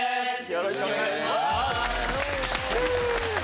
よろしくお願いします。